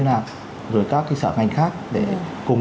thế nào rồi các sở ngành khác để cùng